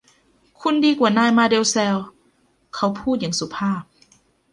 คุณดีกว่านายมาเด็ลแซลเขาพูดอย่างสุภาพ